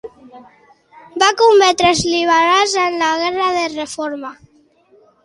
Va combatre als liberals en la Guerra de Reforma.